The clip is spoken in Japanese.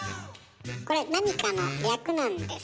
これ何かの略なんです。